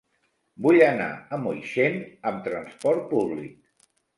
Vull anar a Moixent amb transport públic.